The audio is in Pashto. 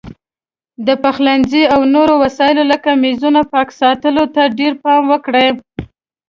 د پخلنځي او نورو وسایلو لکه میزونو پاک ساتلو ته ډېر پام وکړئ.